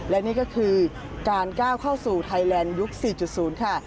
และนี่ก็คือการก้าวเข้าสู่ไทยแลนด์ยุค๔๐ค่ะ